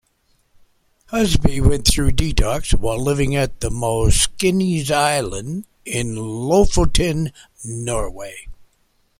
Husby went through detox while living at the Moskenes island in Lofoten, Norway.